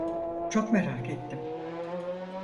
Çok merak ettim.